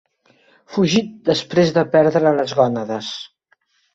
Fugit després de perdre les gònades.